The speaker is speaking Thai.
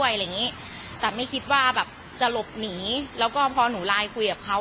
อะไรอย่างงี้แต่ไม่คิดว่าแบบจะหลบหนีแล้วก็พอหนูไลน์คุยกับเขา